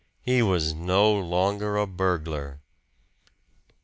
He was no longer a burglar!